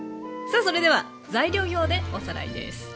さあそれでは材料表でおさらいです。